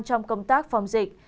trong công tác phòng dịch